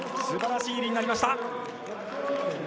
素晴らしい入りになりました。